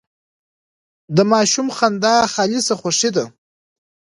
د ماشوم خندا خالصه خوښي ده.